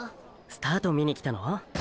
スタート見にきたの？